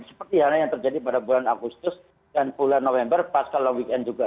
seperti halnya yang terjadi pada bulan agustus dan bulan november pasca long weekend juga